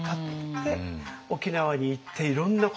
で沖縄に行っていろんなことが。